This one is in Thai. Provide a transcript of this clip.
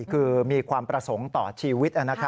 คือมีความประสงค์ต่อชีวิต